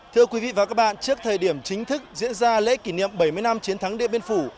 thưa quý vị và các bạn trước thời điểm chính thức diễn ra lễ kỷ niệm bảy mươi năm chiến thắng điện biên phủ